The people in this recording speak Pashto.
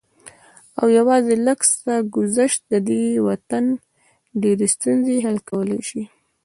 او يوازې لږ څه ګذشت د دې وطن ډېرې ستونزې حل کولی شي